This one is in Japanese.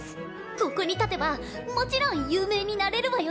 ここに立てばもちろん有名になれるわよね？